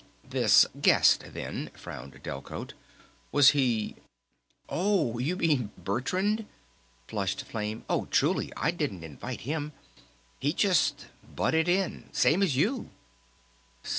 "This 'guest' then," frowned Delcote. "Was he...?" "Oh, you mean ... Bertrand?" flushed Flame. "Oh, truly, I didn't invite him! He just butted in ... same as you!"